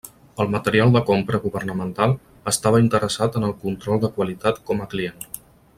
El material de compra governamental estava interessat en el control de qualitat com a client.